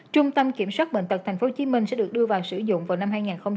trung tâm kiểm soát bệnh tật tp hcm sẽ được đưa vào sử dụng vào năm hai nghìn hai mươi